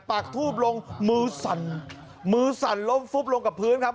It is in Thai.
ปากทูบลงมือสั่นมือสั่นล้มฟุบลงกับพื้นครับ